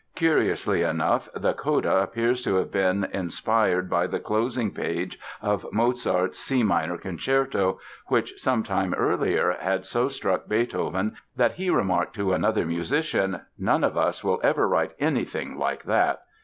Curiously enough, the coda appears to have been inspired by the closing page of Mozart's C minor Concerto which, some time earlier, had so struck Beethoven that he remarked to another musician: "None of us will ever write anything like that!"